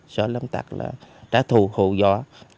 sở lâm tập là trả thù hồ dọa